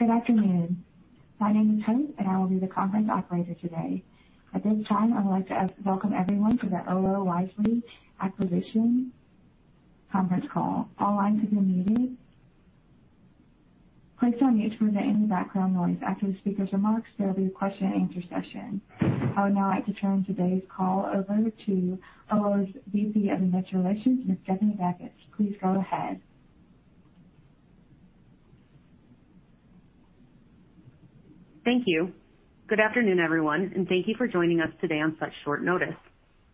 Good afternoon. My name is [Chung], and I will be the conference operator today. At this time, I would like to welcome everyone to the Olo Wisely Acquisition conference call. All lines have been muted. Please unmute to remove any background noise. After the speaker's remarks, there will be a question-and-answer session. I would now like to turn today's call over to Olo's VP of Investor Relations, Ms. Stephanie Daukus. Please go ahead. Thank you. Good afternoon, everyone, and thank you for joining us today on such short notice.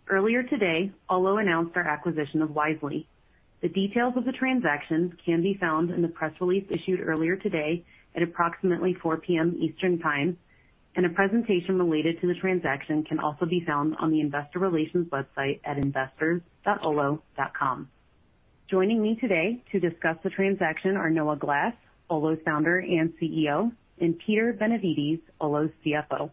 Earlier today, Olo announced our acquisition of Wisely. The details of the transaction can be found in the press release issued earlier today at approximately 4:00 P.M. Eastern Time, and a presentation related to the transaction can also be found on the investor relations website at investors.olo.com. Joining me today to discuss the transaction are Noah Glass, Olo's founder and CEO, and Peter Benevides, Olo's CFO.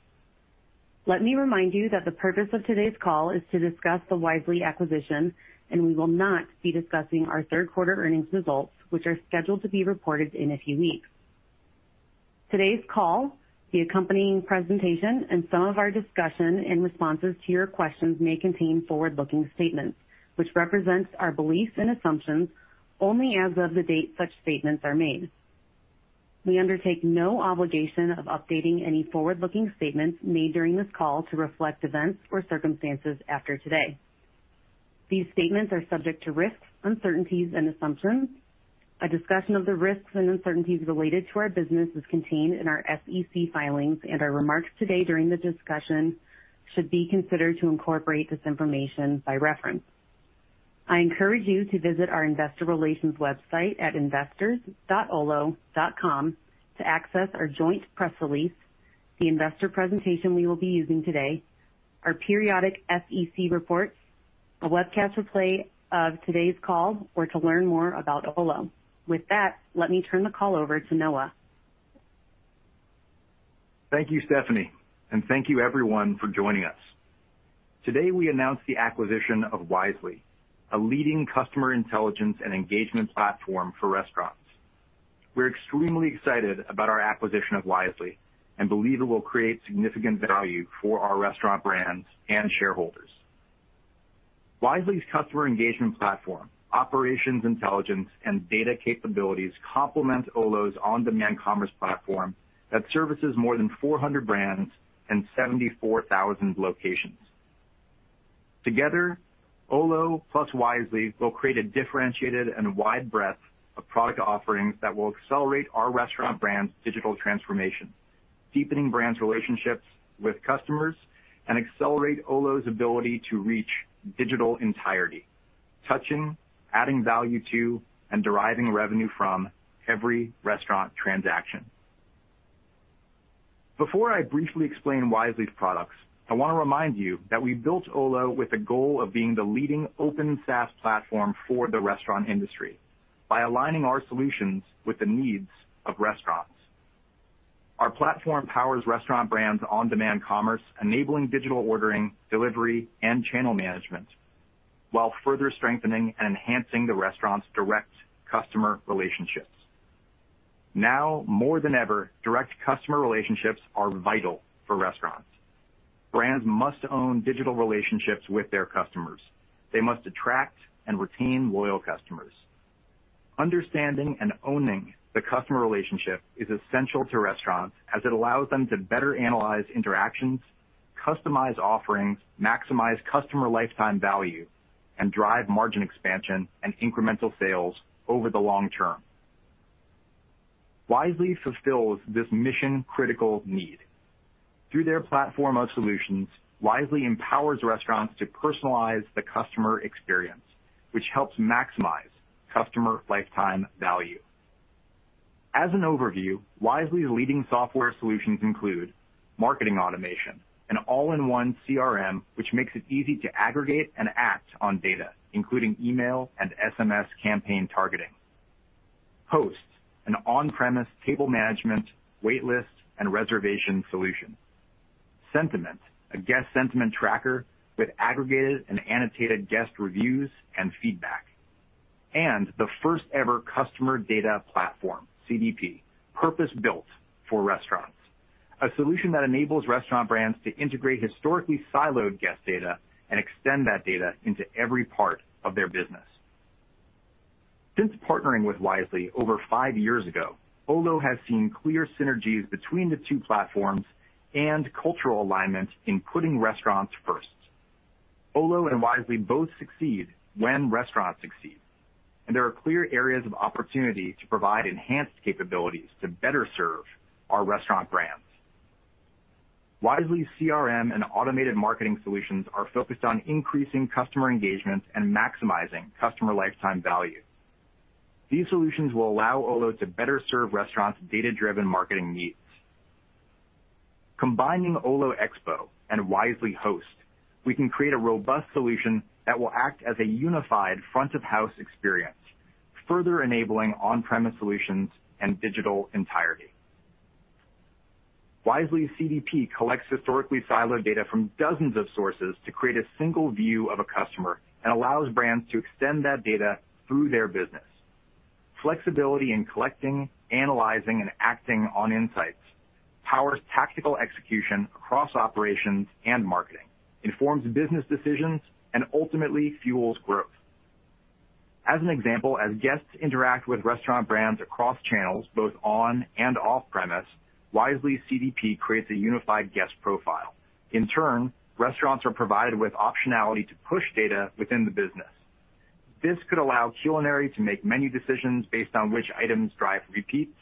Let me remind you that the purpose of today's call is to discuss the Wisely acquisition, and we will not be discussing our third quarter earnings results, which are scheduled to be reported in a few weeks. Today's call, the accompanying presentation, and some of our discussion and responses to your questions may contain forward-looking statements, which represents our beliefs and assumptions only as of the date such statements are made. We undertake no obligation of updating any forward-looking statements made during this call to reflect events or circumstances after today. These statements are subject to risks, uncertainties, and assumptions. A discussion of the risks and uncertainties related to our business is contained in our SEC filings, and our remarks today during the discussion should be considered to incorporate this information by reference. I encourage you to visit our investor relations website at investors.olo.com to access our joint press release, the investor presentation we will be using today, our periodic SEC reports, a webcast replay of today's call or to learn more about Olo. With that, let me turn the call over to Noah. Thank you, Stephanie, and thank you, everyone, for joining us. Today we announced the acquisition of Wisely, a leading customer intelligence and engagement platform for restaurants. We're extremely excited about our acquisition of Wisely and believe it will create significant value for our restaurant brands and shareholders. Wisely's customer engagement platform, operations intelligence, and data capabilities complement Olo's on-demand commerce platform that services more than 400 brands and 74,000 locations. Together, Olo plus Wisely will create a differentiated and wide breadth of product offerings that will accelerate our restaurant brands' digital transformation, deepening brands' relationships with customers, and accelerate Olo's ability to reach digital entirety, touching, adding value to, and deriving revenue from every restaurant transaction. Before I briefly explain Wisely's products, I want to remind you that we built Olo with the goal of being the leading open SaaS platform for the restaurant industry by aligning our solutions with the needs of restaurants. Our platform powers restaurant brands on-demand commerce, enabling digital ordering, delivery, and channel management while further strengthening and enhancing the restaurant's direct customer relationships. Now more than ever, direct customer relationships are vital for restaurants. Brands must own digital relationships with their customers. They must attract and retain loyal customers. Understanding and owning the customer relationship is essential to restaurants as it allows them to better analyze interactions, customize offerings, maximize customer lifetime value, and drive margin expansion and incremental sales over the long term. Wisely fulfills this mission-critical need. Through their platform of solutions, Wisely empowers restaurants to personalize the customer experience, which helps maximize customer lifetime value. As an overview, Wisely's leading software solutions include Marketing Automation, an all-in-one CRM, which makes it easy to aggregate and act on data, including email and SMS campaign targeting. Host, an on-premise table management, waitlist, and reservation solution. Sentiment, a guest sentiment tracker with aggregated and annotated guest reviews and feedback. The first ever Customer Data Platform, CDP, purpose-built for restaurants. A solution that enables restaurant brands to integrate historically siloed guest data and extend that data into every part of their business. Since partnering with Wisely over five years ago, Olo has seen clear synergies between the two platforms and cultural alignment in putting restaurants first. Olo and Wisely both succeed when restaurants succeed, and there are clear areas of opportunity to provide enhanced capabilities to better serve our restaurant brands. Wisely's CRM and automated marketing solutions are focused on increasing customer engagement and maximizing customer lifetime value. These solutions will allow Olo to better serve restaurants' data-driven marketing needs. Combining Olo Expo and Wisely Host, we can create a robust solution that will act as a unified front of house experience, further enabling on-premise solutions and digital entirety. Wisely CDP collects historically siloed data from dozens of sources to create a single view of a customer and allows brands to extend that data through their business. Flexibility in collecting, analyzing, and acting on insights powers tactical execution across operations and marketing, informs business decisions, and ultimately fuels growth. As an example, as guests interact with restaurant brands across channels, both on and off premise, Wisely CDP creates a unified guest profile. In turn, restaurants are provided with optionality to push data within the business. This could allow culinary to make menu decisions based on which items drive repeats,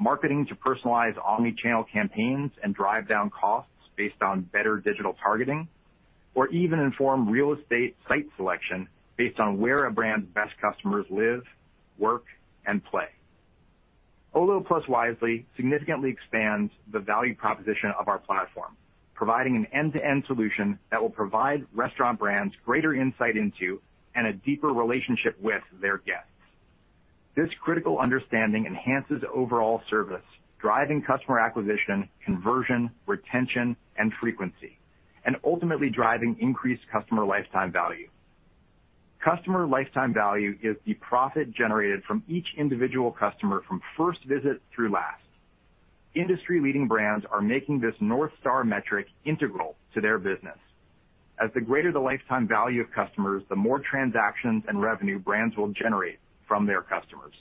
marketing to personalize omni-channel campaigns and drive down costs based on better digital targeting, or even inform real estate site selection based on where a brand's best customers live, work and play. Olo plus Wisely significantly expands the value proposition of our platform, providing an end-to-end solution that will provide restaurant brands greater insight into and a deeper relationship with their guests. This critical understanding enhances overall service, driving customer acquisition, conversion, retention, and frequency, and ultimately driving increased customer lifetime value. Customer lifetime value is the profit generated from each individual customer from first visit through last. Industry-leading brands are making this North Star metric integral to their business, as the greater the lifetime value of customers, the more transactions and revenue brands will generate from their customers.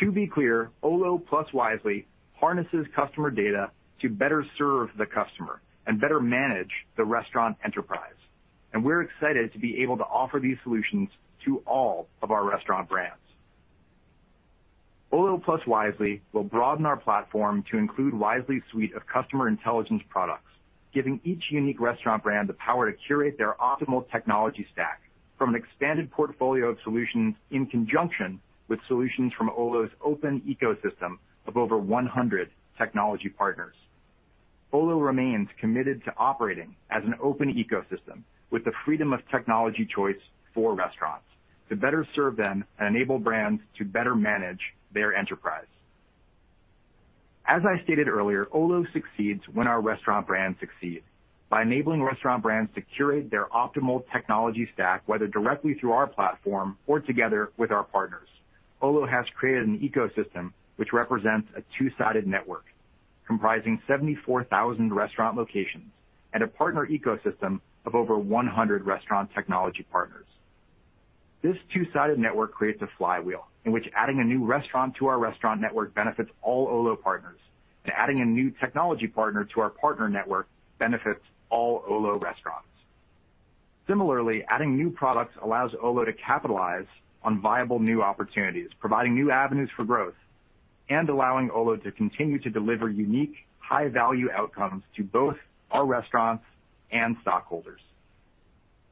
To be clear, Olo plus Wisely harnesses customer data to better serve the customer and better manage the restaurant enterprise. We're excited to be able to offer these solutions to all of our restaurant brands. Olo plus Wisely will broaden our platform to include Wisely's suite of customer intelligence products, giving each unique restaurant brand the power to curate their optimal technology stack from an expanded portfolio of solutions in conjunction with solutions from Olo's open ecosystem of over 100 technology partners. Olo remains committed to operating as an open ecosystem with the freedom of technology choice for restaurants to better serve them and enable brands to better manage their enterprise. As I stated earlier, Olo succeeds when our restaurant brands succeed. By enabling restaurant brands to curate their optimal technology stack, whether directly through our platform or together with our partners, Olo has created an ecosystem which represents a two-sided network comprising 74,000 restaurant locations and a partner ecosystem of over 100 restaurant technology partners. This two-sided network creates a flywheel in which adding a new restaurant to our restaurant network benefits all Olo partners, and adding a new technology partner to our partner network benefits all Olo restaurants. Similarly, adding new products allows Olo to capitalize on viable new opportunities, providing new avenues for growth, and allowing Olo to continue to deliver unique, high-value outcomes to both our restaurants and stockholders.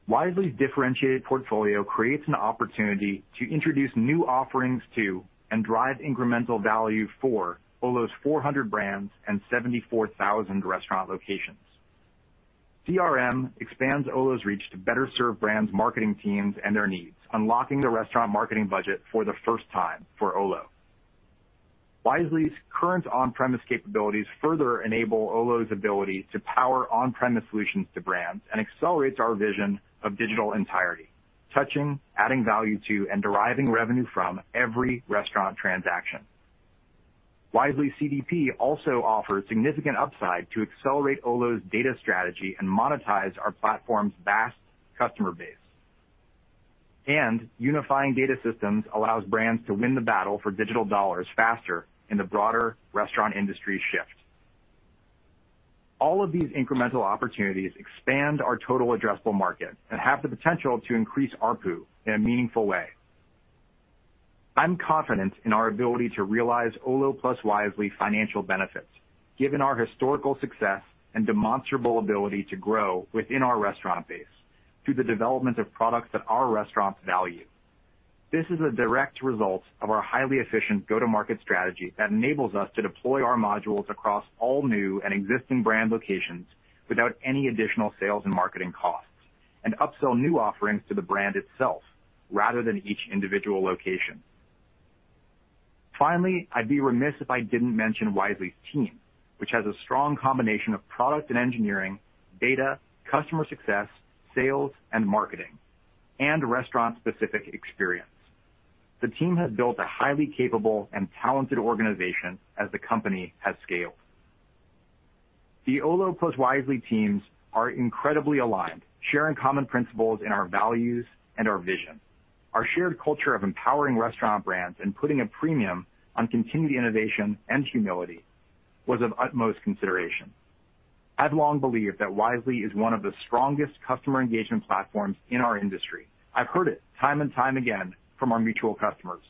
Wisely's differentiated portfolio creates an opportunity to introduce new offerings to and drive incremental value for Olo's 400 brands and 74,000 restaurant locations. CRM expands Olo's reach to better serve brands' marketing teams and their needs, unlocking the restaurant marketing budget for the first time for Olo. Wisely's current on-premise capabilities further enable Olo's ability to power on-premise solutions to brands and accelerates our vision of digital entirety, touching, adding value to, and deriving revenue from every restaurant transaction. Wisely CDP also offers significant upside to accelerate Olo's data strategy and monetize our platform's vast customer base. Unifying data systems allows brands to win the battle for digital dollars faster in the broader restaurant industry shift. All of these incremental opportunities expand our total addressable market and have the potential to increase ARPU in a meaningful way. I'm confident in our ability to realize Olo plus Wisely financial benefits given our historical success and demonstrable ability to grow within our restaurant base through the development of products that our restaurants value. This is a direct result of our highly efficient go-to-market strategy that enables us to deploy our modules across all new and existing brand locations without any additional sales and marketing costs, and upsell new offerings to the brand itself rather than each individual location. Finally, I'd be remiss if I didn't mention Wisely's team, which has a strong combination of product and engineering, data, customer success, sales and marketing, and restaurant-specific experience. The team has built a highly capable and talented organization as the company has scaled. The Olo plus Wisely teams are incredibly aligned, sharing common principles in our values and our vision. Our shared culture of empowering restaurant brands and putting a premium on continued innovation and humility was of utmost consideration. I've long believed that Wisely is one of the strongest customer engagement platforms in our industry. I've heard it time and time again from our mutual customers.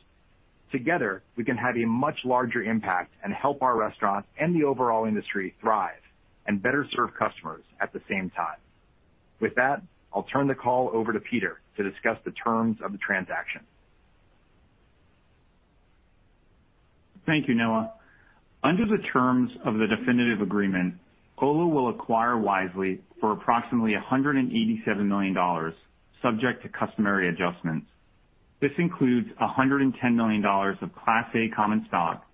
Together, we can have a much larger impact and help our restaurants and the overall industry thrive and better serve customers at the same time. With that, I'll turn the call over to Peter to discuss the terms of the transaction. Thank you, Noah. Under the terms of the definitive agreement, Olo will acquire Wisely for approximately $187 million, subject to customary adjustments. This includes $110 million of Class A common stock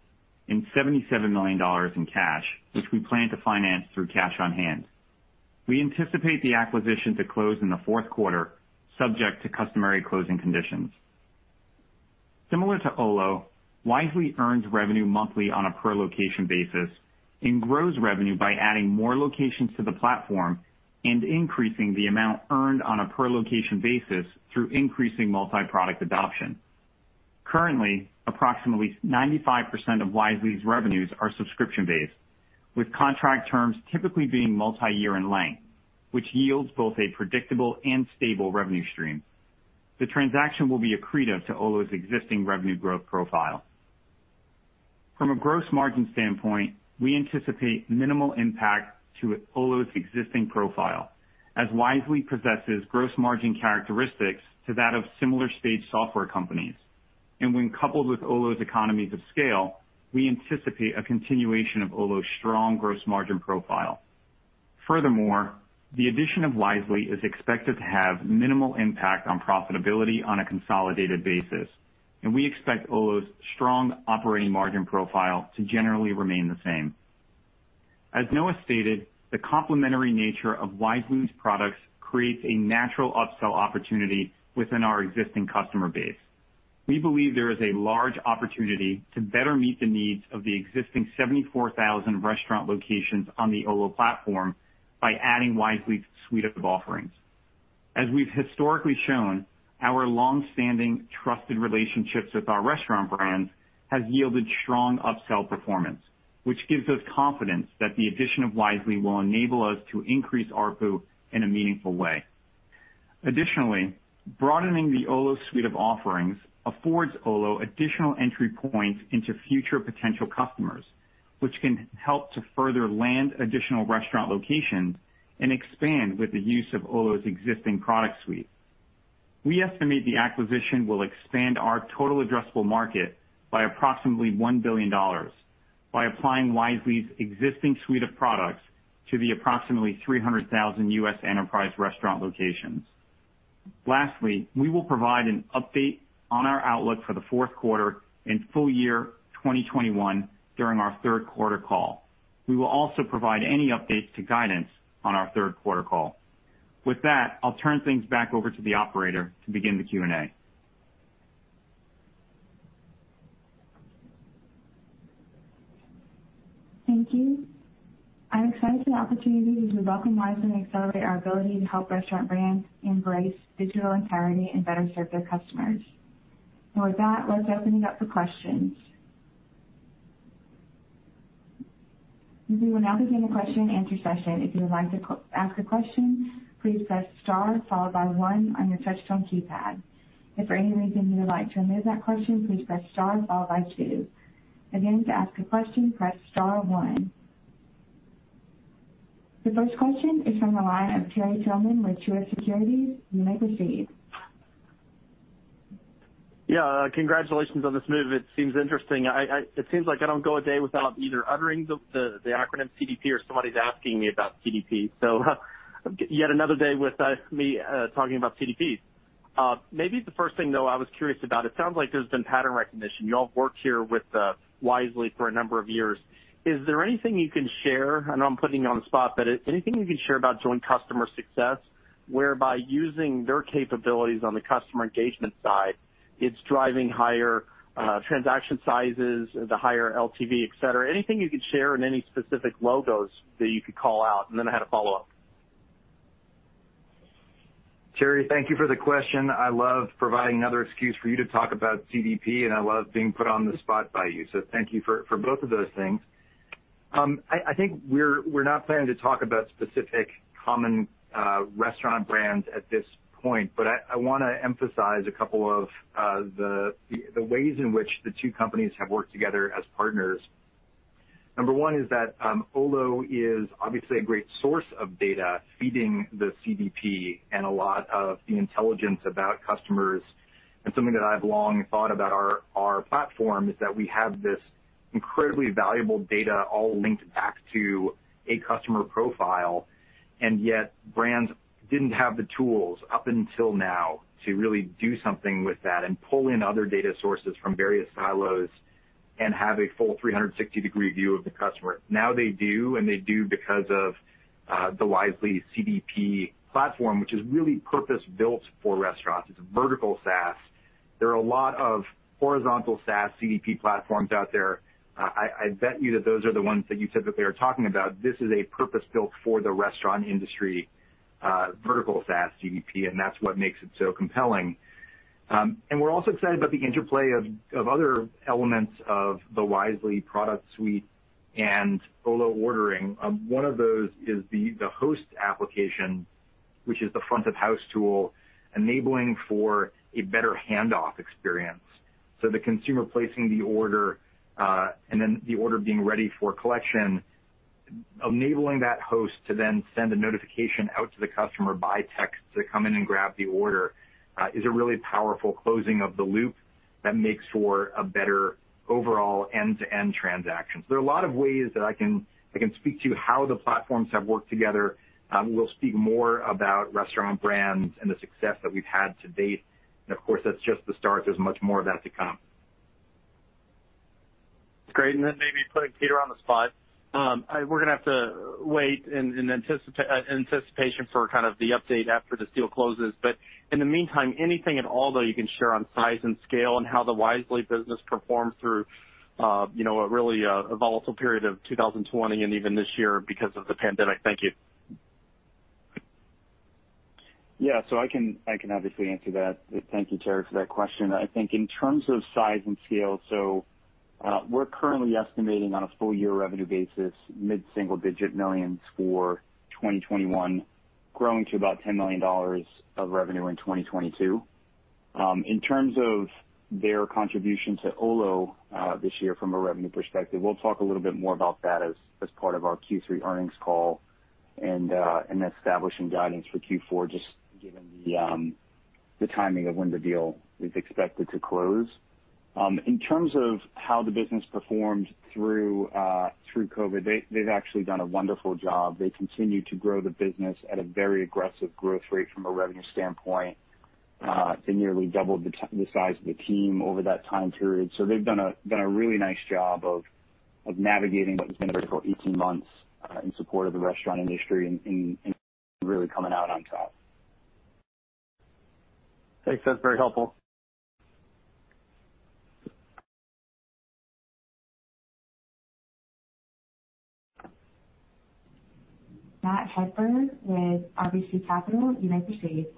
and $77 million in cash, which we plan to finance through cash on hand. We anticipate the acquisition to close in the fourth quarter, subject to customary closing conditions. Similar to Olo, Wisely earns revenue monthly on a per location basis and grows revenue by adding more locations to the platform and increasing the amount earned on a per location basis through increasing multi-product adoption. Currently, approximately 95% of Wisely's revenues are subscription-based, with contract terms typically being multi-year in length, which yields both a predictable and stable revenue stream. The transaction will be accretive to Olo's existing revenue growth profile. From a gross margin standpoint, we anticipate minimal impact to Olo's existing profile, as Wisely possesses gross margin characteristics to that of similar stage software companies. When coupled with Olo's economies of scale, we anticipate a continuation of Olo's strong gross margin profile. Furthermore, the addition of Wisely is expected to have minimal impact on profitability on a consolidated basis, and we expect Olo's strong operating margin profile to generally remain the same. As Noah stated, the complementary nature of Wisely's products creates a natural upsell opportunity within our existing customer base. We believe there is a large opportunity to better meet the needs of the existing 74,000 restaurant locations on the Olo platform by adding Wisely's suite of offerings. As we've historically shown, our long-standing trusted relationships with our restaurant brands has yielded strong upsell performance, which gives us confidence that the addition of Wisely will enable us to increase ARPU in a meaningful way. Additionally, broadening the Olo suite of offerings affords Olo additional entry points into future potential customers, which can help to further land additional restaurant locations and expand with the use of Olo's existing product suite. We estimate the acquisition will expand our total addressable market by approximately $1 billion by applying Wisely's existing suite of products to the approximately 300,000 U.S. enterprise restaurant locations. Lastly, we will provide an update on our outlook for the fourth quarter and full year 2021 during our third quarter call. We will also provide any updates to guidance on our third quarter call. With that, I'll turn things back over to the operator to begin the Q&A. Thank you. I'm excited for the opportunity to welcome Wisely and accelerate our ability to help restaurant brands embrace digital entirety and better serve their customers. With that, let's open it up for questions. We will now begin question-and-answer session. If you want to ask a question please press star followed by one on your touchtone keypad. If anyone want to remove a question please press star followed by two. Again to ask a question press star one. The first question is from the line of Terry Tillman with Truist Securities. You may proceed. Congratulations on this move. It seems interesting. It seems like I don't go a day without either uttering the acronym CDP or somebody's asking me about CDP. Yet another day with me talking about CDP. Maybe the first thing, Noah, I was curious about, it sounds like there's been pattern recognition. You all have worked here with Wisely for a number of years. Is there anything you can share, I know I'm putting you on the spot, but anything you can share about joint customer success, whereby using their capabilities on the customer engagement side, it's driving higher transaction sizes, the higher LTV, etc. Anything you could share and any specific logos that you could call out, and then I had a follow-up. Terry, thank you for the question. I love providing another excuse for you to talk about CDP, and I love being put on the spot by you, so thank you for both of those things. I think we're not planning to talk about specific common restaurant brands at this point, but I want to emphasize a couple of the ways in which the two companies have worked together as partners. Number one is that Olo is obviously a great source of data feeding the CDP and a lot of the intelligence about customers. Something that I've long thought about our platform is that we have this incredibly valuable data all linked back to a customer profile, yet brands didn't have the tools up until now to really do something with that and pull in other data sources from various silos and have a full 360-degree view of the customer. Now they do, they do because of the Wisely CDP platform, which is really purpose-built for restaurants. It's a vertical SaaS. There are a lot of horizontal SaaS CDP platforms out there. I bet you that those are the ones that you said that they are talking about. This is a purpose-built for the restaurant industry, vertical SaaS CDP, that's what makes it so compelling. We're also excited about the interplay of other elements of the Wisely product suite and Olo ordering. One of those is the Host application, which is the front-of-house tool, enabling for a better handoff experience. The consumer placing the order, and then the order being ready for collection, enabling that host to then send a notification out to the customer by text to come in and grab the order, is a really powerful closing of the loop that makes for a better overall end-to-end transaction. There are a lot of ways that I can speak to how the platforms have worked together. We'll speak more about restaurant brands and the success that we've had to date, and of course, that's just the start. There's much more of that to come. Great. Maybe putting Peter on the spot. We're going to have to wait in anticipation for the update after the deal closes. In the meantime, anything at all, though, you can share on size and scale and how the Wisely business performed through a really volatile period of 2020 and even this year because of the pandemic? Thank you. Yeah. I can obviously answer that. Thank you, Terry, for that question. I think in terms of size and scale, we're currently estimating on a full-year revenue basis, mid-single digit millions for 2021, growing to about $10 million of revenue in 2022. In terms of their contribution to Olo this year from a revenue perspective, we'll talk a little bit more about that as part of our Q3 earnings call and establishing guidance for Q4, just given the timing of when the deal is expected to close. In terms of how the business performed through COVID, they've actually done a wonderful job. They continue to grow the business at a very aggressive growth rate from a revenue standpoint. They nearly doubled the size of the team over that time period. They've done a really nice job of navigating what has been a very difficult 18 months in support of the restaurant industry and really coming out on top. Thanks. That's very helpful. Matt Hedberg with RBC Capital, United States.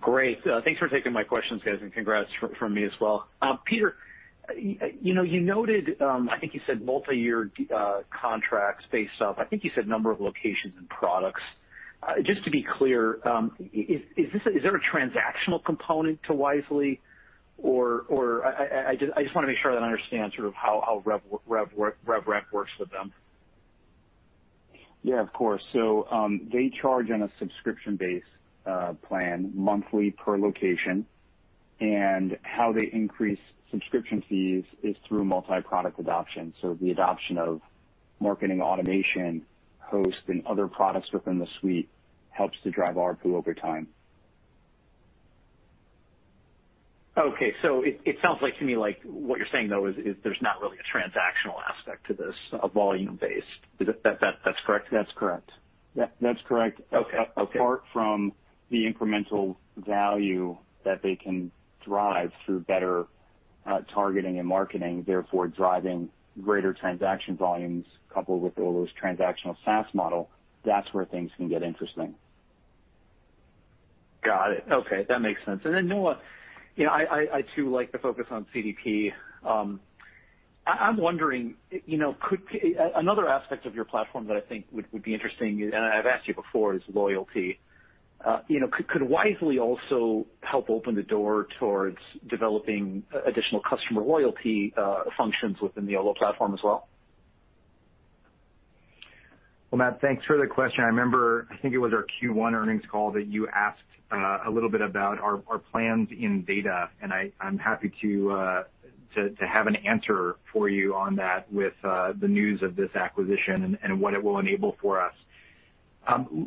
Great. Thanks for taking my questions, guys, and congrats from me as well. Peter, you noted, I think you said multi-year contracts based off, I think you said number of locations and products. Just to be clear, is there a transactional component to Wisely, or I just want to make sure that I understand sort of how rev rec works with them. Yeah, of course. They charge on a subscription-based plan monthly per location, and how they increase subscription fees is through multi-product adoption. The adoption of Marketing Automation, Host, and other products within the suite helps to drive ARPU over time. Okay. It sounds like to me like what you're saying, though, is there's not really a transactional aspect to this, volume-based. That's correct? That's correct. Yeah, that's correct. Okay. Apart from the incremental value that they can drive through better targeting and marketing, therefore driving greater transaction volumes coupled with Olo's transactional SaaS model, that's where things can get interesting. Got it. Okay. That makes sense. Noah, I too like to focus on CDP. I'm wondering, another aspect of your platform that I think would be interesting, and I've asked you before, is loyalty. Could Wisely also help open the door towards developing additional customer loyalty functions within the Olo platform as well? Well, Matt, thanks for the question. I remember, I think it was our Q1 earnings call that you asked a little bit about our plans in data, and I'm happy to have an answer for you on that with the news of this acquisition and what it will enable for us.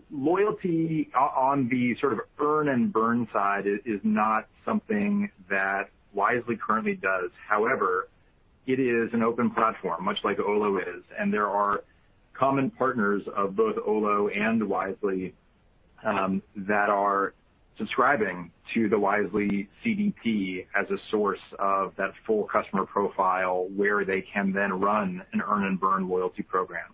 Loyalty on the sort of earn and burn side is not something that Wisely currently does. However, it is an open platform, much like Olo is, and there are common partners of both Olo and Wisely that are subscribing to the Wisely CDP as a source of that full customer profile, where they can then run an earn and burn loyalty program.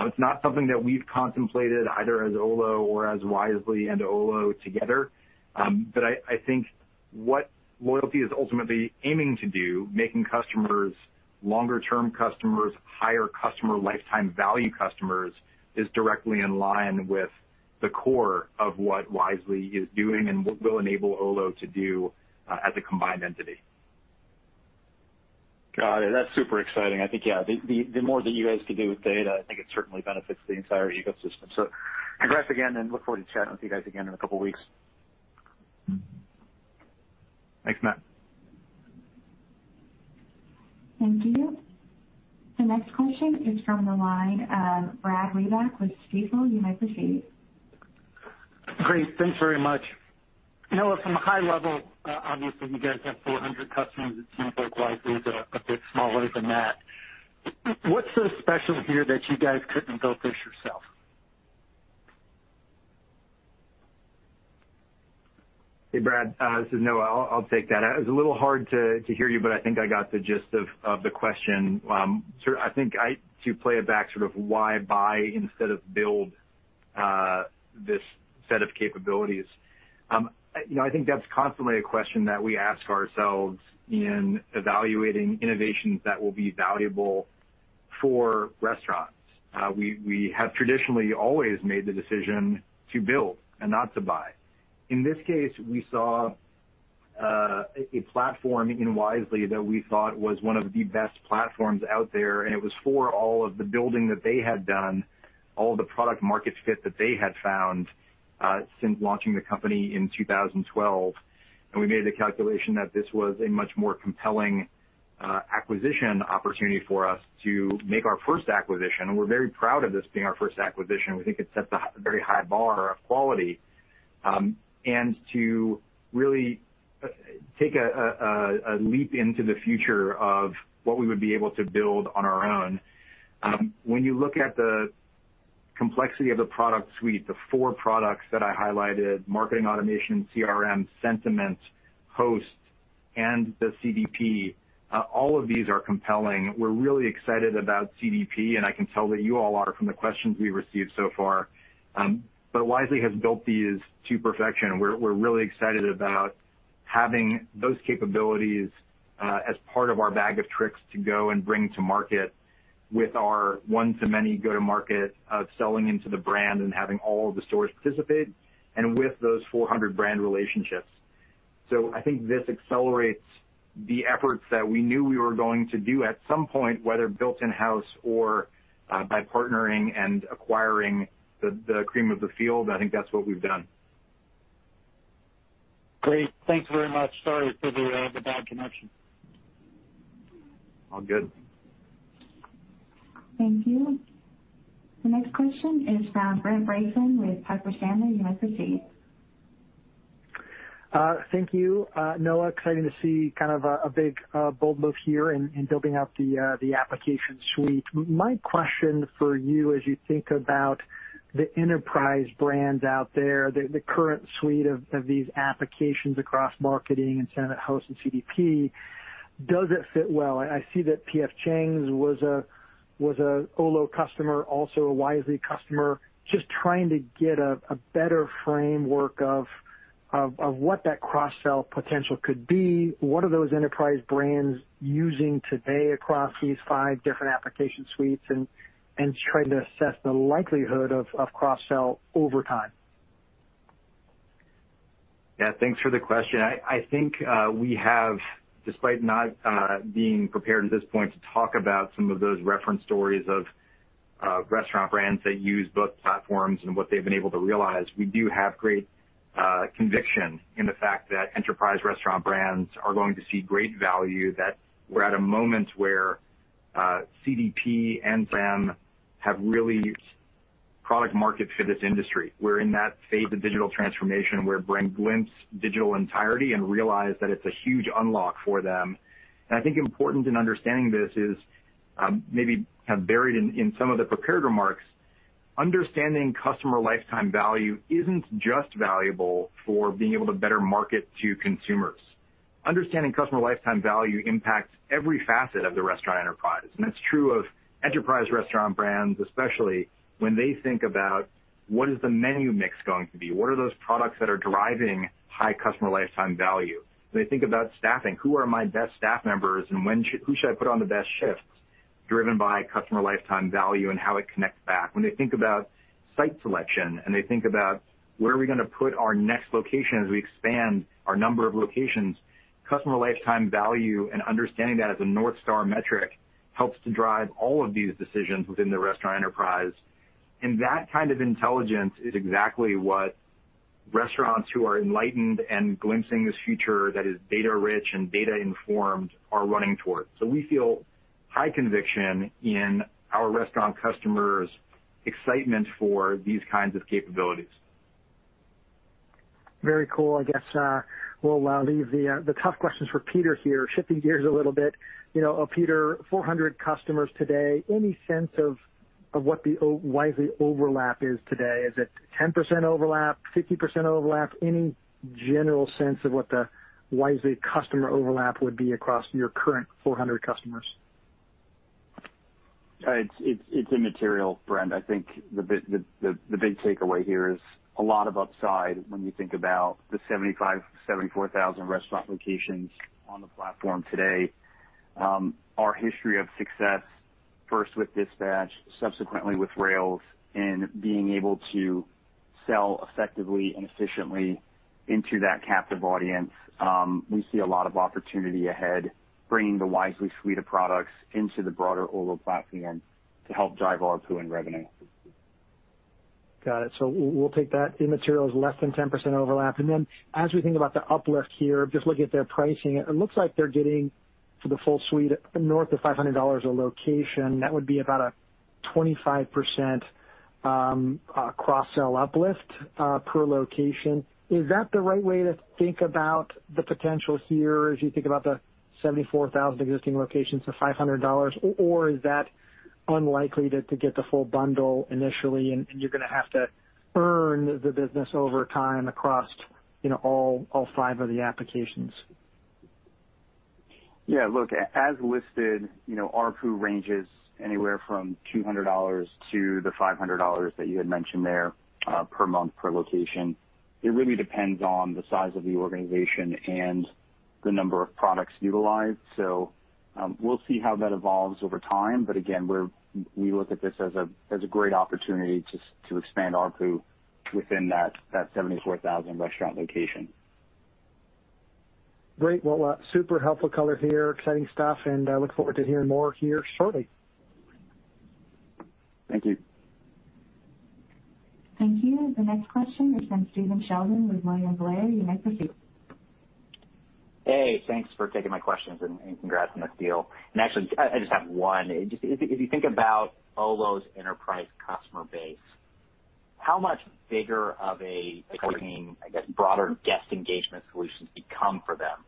It's not something that we've contemplated either as Olo or as Wisely and Olo together. I think what loyalty is ultimately aiming to do, making customers longer-term customers, higher customer lifetime value customers, is directly in line with the core of what Wisely is doing and what will enable Olo to do as a combined entity. Got it. That's super exciting. I think, yeah, the more that you guys can do with data, I think it certainly benefits the entire ecosystem. Congrats again, and look forward to chatting with you guys again in a couple of weeks. Thanks, Matt. Thank you. The next question is from the line of Brad Reback with Stifel, United States. Great. Thanks very much. Noah, from a high level, obviously you guys have 400 customers. It seems like Wisely is a bit smaller than that. What's so special here that you guys couldn't build this yourself? Hey, Brad. This is Noah. I'll take that. It was a little hard to hear you, but I think I got the gist of the question. I think to play it back, sort of why buy instead of build this set of capabilities. I think that's constantly a question that we ask ourselves in evaluating innovations that will be valuable for restaurants. We have traditionally always made the decision to build and not to buy. In this case, we saw a platform in Wisely that we thought was one of the best platforms out there, and it was for all of the building that they had done, all the product market fit that they had found Since launching the company in 2012, we made the calculation that this was a much more compelling acquisition opportunity for us to make our first acquisition. We're very proud of this being our first acquisition. We think it sets a very high bar of quality. To really take a leap into the future of what we would be able to build on our own. When you look at the complexity of the product suite, the four products that I highlighted, Marketing Automation, CRM, Sentiment, Host, and the CDP, all of these are compelling. We're really excited about CDP, and I can tell that you all are from the questions we've received so far. Wisely has built these to perfection. We're really excited about having those capabilities, as part of our bag of tricks to go and bring to market with our one to many go to market, selling into the brand and having all of the stores participate, and with those 400 brand relationships. I think this accelerates the efforts that we knew we were going to do at some point, whether built in-house or by partnering and acquiring the cream of the field. I think that's what we've done. Great. Thanks very much. Sorry for the bad connection. All good. Thank you. The next question is from Brent Bracelin with Piper Sandler. You may proceed. Thank you, Noah. Exciting to see a big, bold move here in building out the application suite. My question for you, as you think about the enterprise brands out there, the current suite of these applications across Marketing and Sentiment, Host, and CDP, does it fit well? I see that P.F. Chang's was a Olo customer, also a Wisely customer. Just trying to get a better framework of what that cross-sell potential could be. What are those enterprise brands using today across these five different application suites? Trying to assess the likelihood of cross-sell over time. Yeah. Thanks for the question. I think we have, despite not being prepared at this point to talk about some of those reference stories of restaurant brands that use both platforms and what they've been able to realize, we do have great conviction in the fact that enterprise restaurant brands are going to see great value, that we're at a moment where CDP and CRM have really product market for this industry. We're in that phase of digital transformation where brand glimpse digital entirety and realize that it's a huge unlock for them. I think important in understanding this is, maybe kind of buried in some of the prepared remarks, understanding customer lifetime value isn't just valuable for being able to better market to consumers. Understanding customer lifetime value impacts every facet of the restaurant enterprise. That's true of enterprise restaurant brands, especially when they think about what is the menu mix going to be? What are those products that are driving high customer lifetime value? They think about staffing. Who are my best staff members and who should I put on the best shifts, driven by customer lifetime value and how it connects back. When they think about site selection, and they think about where are we going to put our next location as we expand our number of locations, customer lifetime value and understanding that as a North Star metric helps to drive all of these decisions within the restaurant enterprise. That kind of intelligence is exactly what restaurants who are enlightened and glimpsing this future that is data rich and data informed are running towards. We feel high conviction in our restaurant customers' excitement for these kinds of capabilities. Very cool. I guess, we'll leave the tough questions for Peter here. Shifting gears a little bit. Peter, 400 customers today. Any sense of what the Wisely overlap is today? Is it 10% overlap, 50% overlap? Any general sense of what the Wisely customer overlap would be across your current 400 customers? It's immaterial, Brent. I think the big takeaway here is a lot of upside when you think about the 74,000 restaurant locations on the platform today. Our history of success, first with Dispatch, subsequently with Rails, and being able to sell effectively and efficiently into that captive audience. We see a lot of opportunity ahead, bringing the Wisely suite of products into the broader Olo platform to help drive ARPU and revenue. Got it. We'll take that immaterial as less than 10% overlap. As we think about the uplift here, just looking at their pricing, it looks like they're getting for the full suite, north of $500 a location. That would be about a 25% cross-sell uplift per location. Is that the right way to think about the potential here as you think about the 74,000 existing locations for $500? Or is that unlikely to get the full bundle initially and you're going to have to earn the business over time across all five of the applications? Look, as listed, ARPU ranges anywhere from $200-$500 that you had mentioned there, per month per location. It really depends on the size of the organization and the number of products utilized. We'll see how that evolves over time. Again, we look at this as a great opportunity to expand ARPU within that 74,000 restaurant location. Great. Well, super helpful color here. Exciting stuff, and I look forward to hearing more here shortly. Thank you. Thank you. The next question is from Stephen Sheldon with William Blair. You may proceed. Hey, thanks for taking my questions, and congrats on the deal. Actually, I just have one. If you think about Olo's enterprise customer base, how much bigger of a broader guest engagement solution has become for them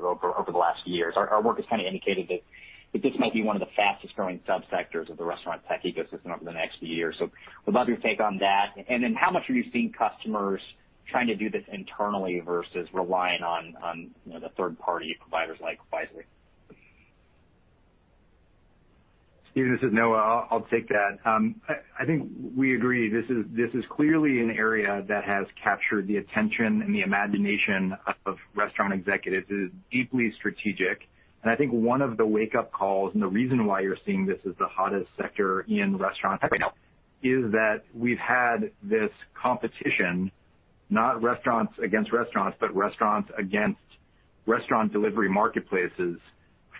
over the last years? Our work has indicated that this might be one of the fastest-growing sub-sectors of the restaurant tech ecosystem over the next few years. Would love your take on that. Then how much are you seeing customers trying to do this internally versus relying on the third-party providers like Wisely? Stephen, this is Noah. I'll take that. I think we agree, this is clearly an area that has captured the attention and the imagination of restaurant executives. It is deeply strategic. I think one of the wake-up calls, and the reason why you're seeing this as the hottest sector in restaurant tech right now, is that we've had this competition, not restaurants against restaurants, but restaurants against restaurant delivery marketplaces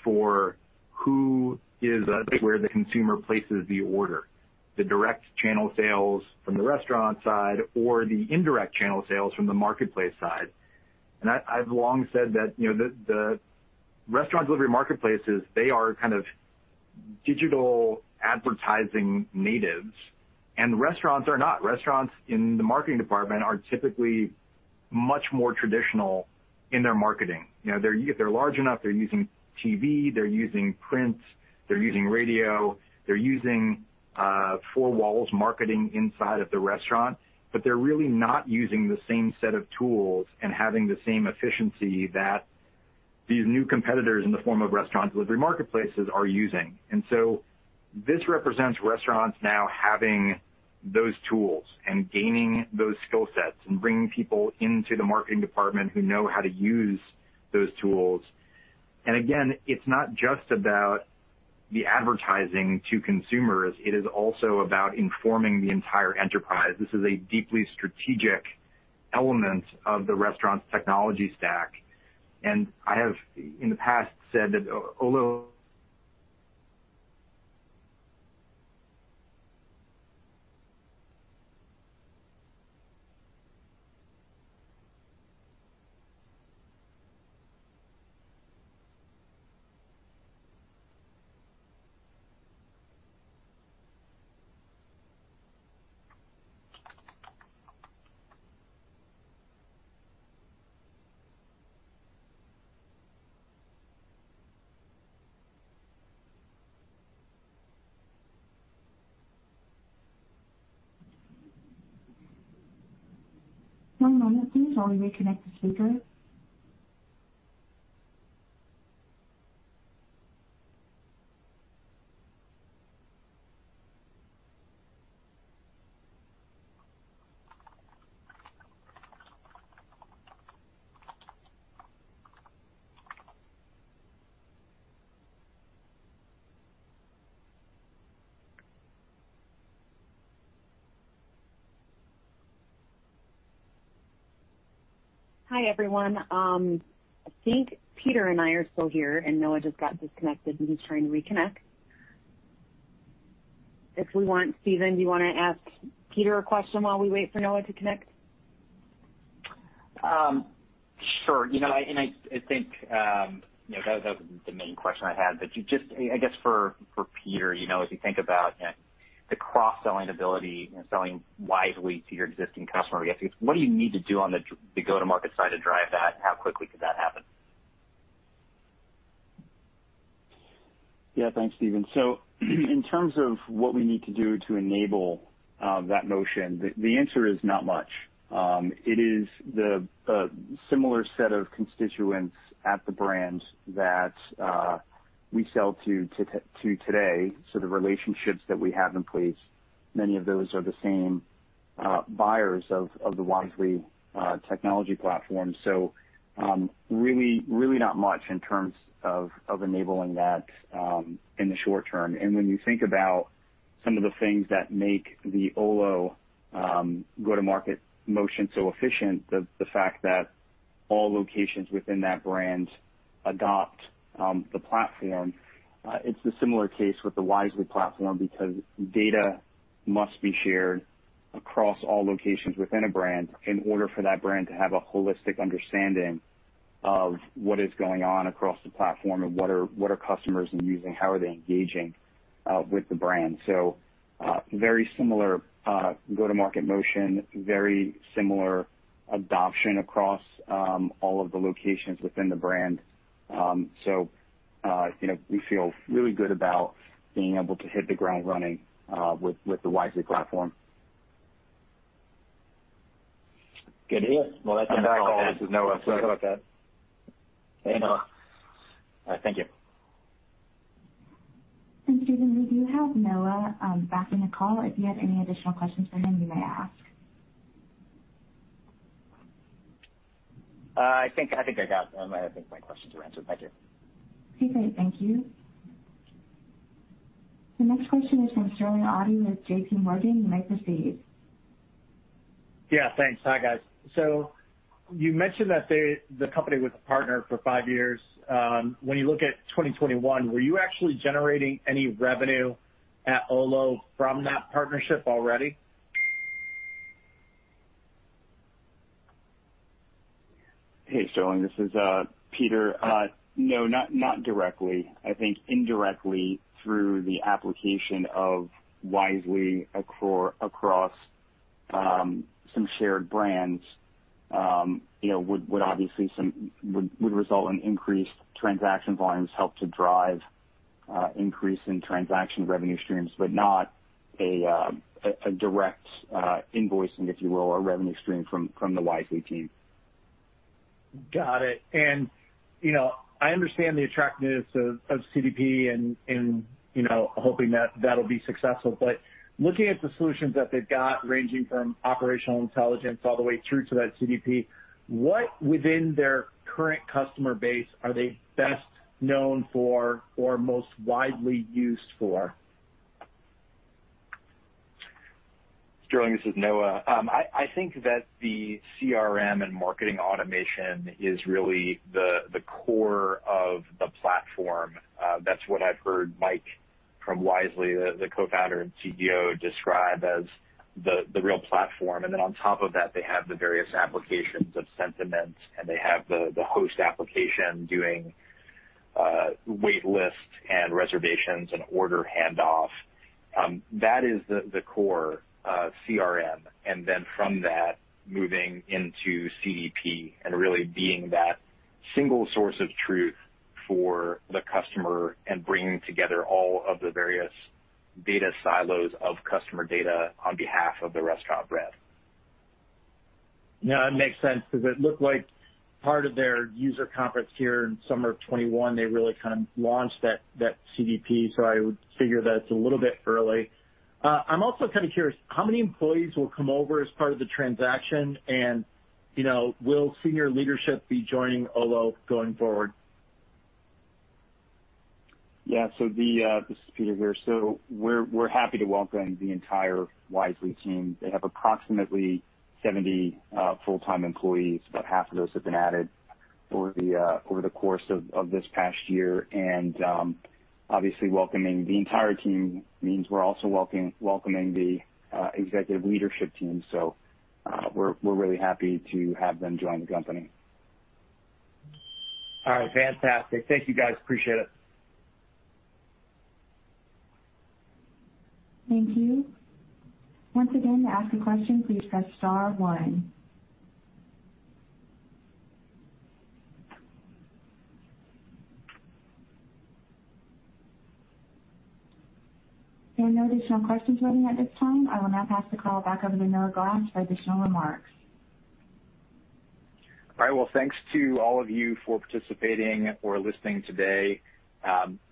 for who is where the consumer places the order, the direct channel sales from the restaurant side or the indirect channel sales from the marketplace side. I've long said that the restaurant delivery marketplaces, they are kind of digital advertising natives, and restaurants are not. Restaurants, in the marketing department, are typically much more traditional in their marketing. They're large enough. They're using TV. They're using print. They're using radio. They're using four walls marketing inside of the restaurant. They're really not using the same set of tools and having the same efficiency that these new competitors in the form of restaurant delivery marketplaces are using. This represents restaurants now having those tools and gaining those skill sets and bringing people into the marketing department who know how to use those tools. Again, it's not just about the advertising to consumers. It is also about informing the entire enterprise. This is a deeply strategic element of the restaurant's technology stack. I have, in the past, said that Olo. One moment, please, while we reconnect the speaker. Hi, everyone. I think Peter and I are still here, and Noah just got disconnected, and he's trying to reconnect. If we want, Stephen, do you want to ask Peter a question while we wait for Noah to connect? Sure. I think that was the main question I had. Just, I guess, for Peter, as you think about the cross-selling ability and selling Wisely to your existing customer base, what do you need to do on the go-to-market side to drive that? How quickly could that happen? Thanks, Stephen. In terms of what we need to do to enable that motion, the answer is not much. It is the similar set of constituents at the brand that we sell to today. The relationships that we have in place, many of those are the same buyers of the Wisely technology platform. Really not much in terms of enabling that in the short term. When you think about some of the things that make the Olo go-to-market motion so efficient, the fact that all locations within that brand adopt the platform. It's the similar case with the Wisely platform because data must be shared across all locations within a brand in order for that brand to have a holistic understanding of what is going on across the platform and what are customers using, how are they engaging with the brand. Very similar go-to-market motion, very similar adoption across all of the locations within the brand. We feel really good about being able to hit the ground running with the Wisely platform. Good to hear. I'm back, all. This is Noah. Sorry about that. Hey, Noah. All right. Thank you. Stephen, we do have Noah back on the call if you have any additional questions for him, you may ask. I think I got them. I think my questions are answered. Thank you. Okay. Thank you. The next question is from Sterling Auty with JPMorgan. You may proceed. Yeah, thanks. Hi, guys. You mentioned that the company was a partner for five years. When you look at 2021, were you actually generating any revenue at Olo from that partnership already? Hey, Sterling. This is Peter. No, not directly. I think indirectly through the application of Wisely across some shared brands would result in increased transaction volumes, help to drive increase in transaction revenue streams, but not a direct invoicing, if you will, or revenue stream from the Wisely team. Got it. I understand the attractiveness of CDP and hoping that'll be successful. Looking at the solutions that they've got, ranging from operational intelligence all the way through to that CDP, what within their current customer base are they best known for or most widely used for? Sterling, this is Noah. I think that the CRM and Marketing Automation is really the core of the platform. That's what I've heard Mike from Wisely, the Co-founder and CEO, describe as the real platform. On top of that, they have the various applications of Sentiment, and they have the Host application doing waitlists and reservations and order handoff. That is the core CRM. From that, moving into CDP and really being that single source of truth for the customer and bringing together all of the various data silos of customer data on behalf of the restaurant brand. Yeah, it makes sense because it looked like part of their user conference here in summer of 2021, they really kind of launched that CDP. I would figure that it's a little bit early. I'm also kind of curious, how many employees will come over as part of the transaction, and will senior leadership be joining Olo going forward? Yeah. This is Peter here. We are happy to welcome the entire Wisely team. They have approximately 70 full-time employees, about half of those have been added over the course of this past year. Obviously welcoming the entire team means we are also welcoming the executive leadership team. We are really happy to have them join the company. All right. Fantastic. Thank you, guys. Appreciate it. Thank you. Once again want to ask a question please press star one. If there is no additional question at this time I will now pass the call back over to Noah Glass for additional remarks. All right. Thanks to all of you for participating or listening today.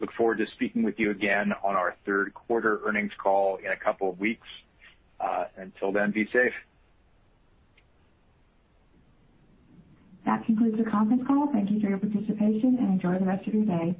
Look forward to speaking with you again on our third quarter earnings call in a couple of weeks. Until then, be safe. That concludes the conference call. Thank you for your participation, and enjoy the rest of your day.